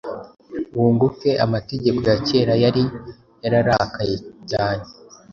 Wunguke amategeko ya kera yari yararakaye cyane